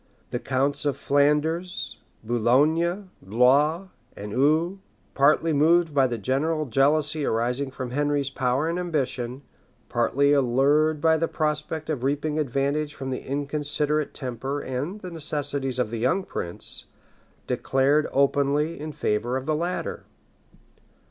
The counts of Flanders, Boulogne, Blois, and Eu, partly moved by the general jealousy arising from Henry's power and ambition, partly allured by the prospect of reaping advantage from the inconsiderate temper and the necessities of the young prince, declared openly in favor of the latter.